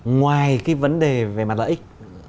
ngoài cái vấn đề về mặt lợi ích